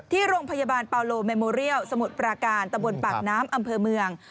ที่โรงพยาบาลปาโลเมโมเรียลสมุทรปราการตะบนปากน้ำอำเภอเมือง